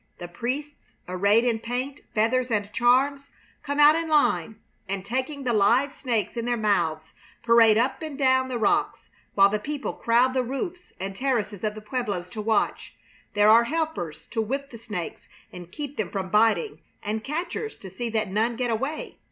The priests, arrayed in paint, feathers, and charms, come out in line and, taking the live snakes in their mouths, parade up and down the rocks, while the people crowd the roofs and terraces of the pueblos to watch. There are helpers to whip the snakes and keep them from biting, and catchers to see that none get away.